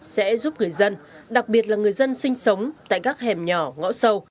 sẽ giúp người dân đặc biệt là người dân sinh sống tại các hẻm nhỏ ngõ sâu